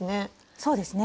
そうですね。